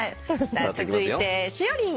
続いてしおりん。